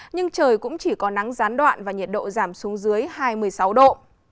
nhưng trời cũng chỉ có nắng gián đoạn và nhiệt độ giảm xuống dưới hai mươi sáu độ